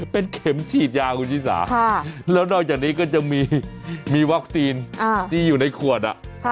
เป็นเข็มฉีดยาคุณชิสาแล้วนอกจากนี้ก็จะมีวัคซีนที่อยู่ในขวด